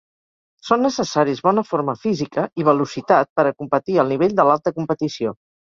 Són necessaris bona forma física i velocitat per a competir al nivell de l'alta competició.